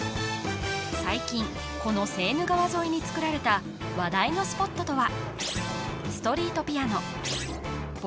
最近このセーヌ川沿いにつくられた話題のスポットとは？